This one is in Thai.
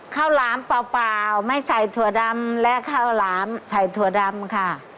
หลามเปล่าไม่ใส่ถั่วดำและข้าวหลามใส่ถั่วดำค่ะ